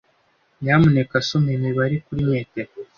Nyamuneka soma imibare kuri metero.